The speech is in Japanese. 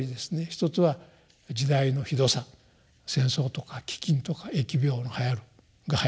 一つは時代のひどさ戦争とか飢饉とか疫病がはやる。